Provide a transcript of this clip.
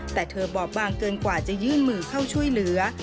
แต่เธอบอบบางเกินกว่าจะยื่นมือเข้าช่วยเหลือ